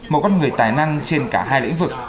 một con người tài năng trên cả hai lĩnh vực